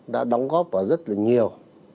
đã đóng góp vào rất là nhiều